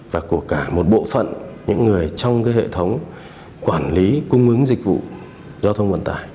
và của cả một bộ phận những người trong hệ thống quản lý cung ứng dịch vụ giao thông vận tải